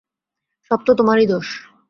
সব তো তোমারই দোষ।